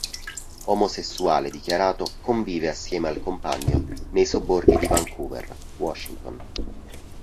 Omosessuale dichiarato, convive assieme al compagno nei sobborghi di Vancouver, Washington.